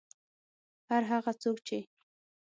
هر هغه څوک چې